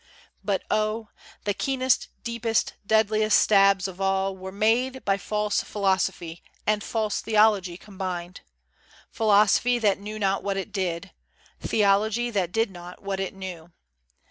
But, O! the keenest, deepest, deadliest stabs Of all, were made by false Philosophy And false Theology combined Philosophy, that knew not what it did; Theology, that did not what it knew.